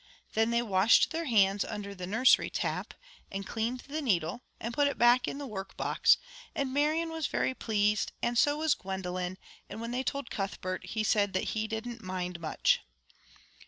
Then they washed their hands under the nursery tap and cleaned the needle and put it back in the workbox, and Marian was very pleased, and so was Gwendolen, and when they told Cuthbert he said that he didn't mind much.